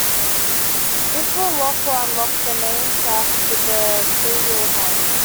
This will lock or unlock the main shaft with the freewheel hub.